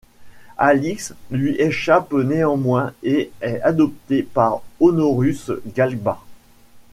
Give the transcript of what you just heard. Alix lui échappe néanmoins et est adopté par Honorrus Galba.